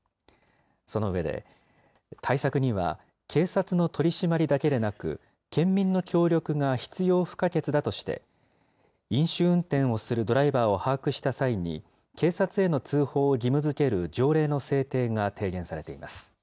その上で、対策には警察の取締りだけでなく、県民の協力が必要不可欠だとして、飲酒運転をするドライバーを把握した際に、警察への通報を義務づける条例の制定が提言されています。